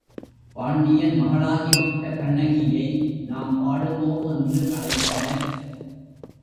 பாண்டியன் மகளாகிவிட்ட கண்ணகியை நாம் பாடுவோம். என்று அழைத்தனர்.